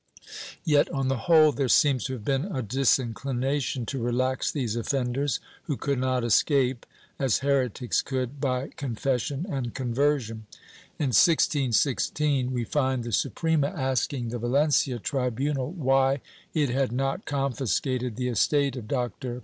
^ Yet, on the whole, there seems to have been a disinclination to relax these offenders, who could not escape, as heretics could, by con fession and conversion. In 1616 we find the Suprema asking the Valencia tribunal why it had not confiscated the estate of Dr. ' Archive de Simancas, Inq., Lib. 927, fol. 414.